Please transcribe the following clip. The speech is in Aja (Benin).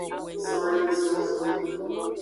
Zonlinzonzon.